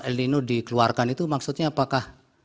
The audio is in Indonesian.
el nino dikeluarkan itu maksudnya apakah